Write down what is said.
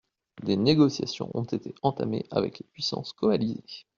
Des négociations ont été entamées avec les puissances coalisées.